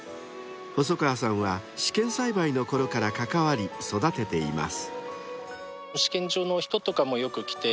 ［細川さんは試験栽培のころから関わり育てています］